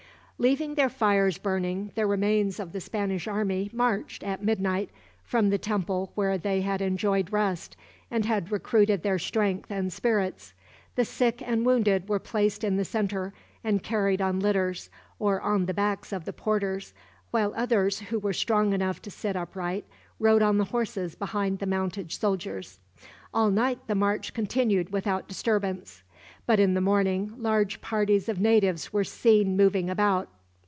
Leaving their fires burning, the remains of the Spanish army marched, at midnight, from the temple where they had enjoyed rest, and had recruited their strength and spirits. The sick and wounded were placed in the center, and carried on litters, or on the backs of the porters; while others, who were strong enough to sit upright, rode on the horses behind the mounted soldiers. All night the march continued without disturbance; but in the morning, large parties of natives were seen moving about.